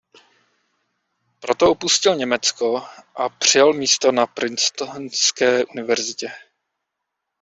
Proto opustil Německo a přijal místo na Princetonské Univerzitě.